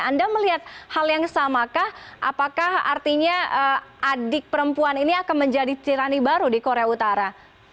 anda melihat hal yang samakah apakah artinya adik perempuan ini akan menjadi tirani baru di korea utara